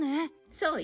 そうよ。